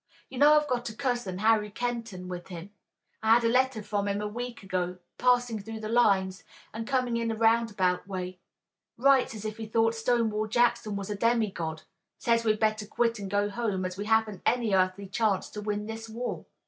You know, I've got a cousin, Harry Kenton, with him. I had a letter from him a week ago passing through the lines, and coming in a round about way. Writes as if he thought Stonewall Jackson was a demigod. Says we'd better quit and go home, as we haven't any earthly chance to win this war."